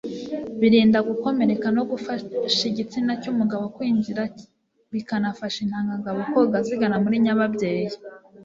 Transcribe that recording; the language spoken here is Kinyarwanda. birinda gukomereka no gufasha igitsina cy'umugabo kwinjira bikanafasha intangangabo koga zigana muri nyababyeyi.